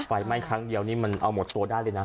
ไฟไหม้ครั้งเดียวนี่มันเอาหมดตัวได้เลยนะ